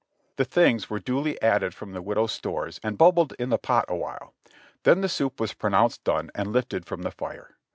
The things were duly added from the widow's stores and bubbled in the pot a while ; then the soup was pronounced done and lifted from the fire.